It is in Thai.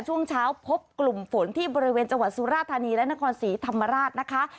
ช่วงเช้าพบกลุ่มฝนที่บริเวณจังหวัดสุราธานีและนครศรีธรรมราชนะคะ